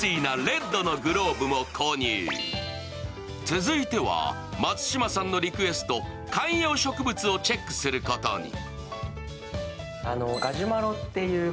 続いては、松島さんのリクエスト観葉植物をチェックすることに。